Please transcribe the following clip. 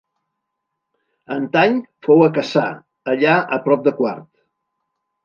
Antany fou a Cassà, allà a prop de Quart—.